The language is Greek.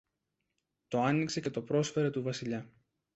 το άνοιξε και το πρόσφερε του Βασιλιά